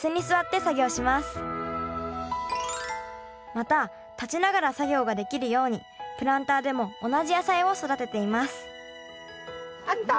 また立ちながら作業ができるようにプランターでも同じ野菜を育てていますあった？